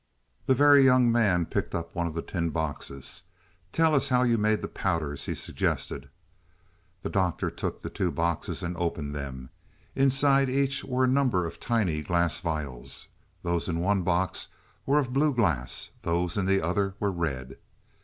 The Very Young Man picked up one of the tin boxes. "Tell us how you made the powders," he suggested. The Doctor took the two boxes and opened them. Inside each were a number of tiny glass vials. Those in one box were of blue glass; those in the other were red.